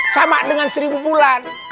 sama dengan seribu bulan